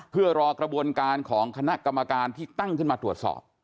เพื่อรอกระบวนการของคณะกรรมการที่ตั้งขึ้นมาตรวจสอบ